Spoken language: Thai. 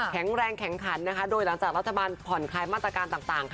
แข็งแรงแข็งขันโดยหลังจากรัฐบาลผ่อนคลายมาตรการต่าง